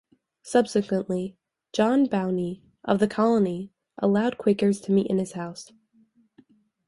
Subsequently, John Bowne of the colony allowed Quakers to meet in his house.